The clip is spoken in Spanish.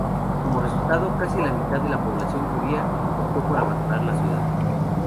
Como resultado, casi la mitad de la población judía optó por abandonar la ciudad.